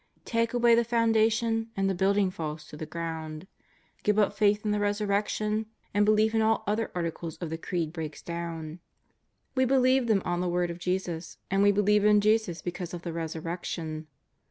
Take away the foundation and the building falls to the ground. Give up faith in the Resurrection and belief in all other articles of the Creed breaks do^^^l. We believe them on the word of Jesus, and we believe in Jesus because of the Resurrection.